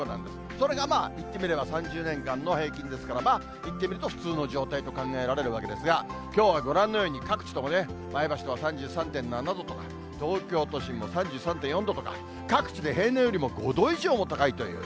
それがまあ、いってみれば３０年間の平均ですから、まあ、いってみると普通の状態と考えられるわけですが、きょうはご覧のように、各地ともね、前橋は３３．７度とか、東京都心も３３．４度とか、各地で平年よりも５度以上高いという。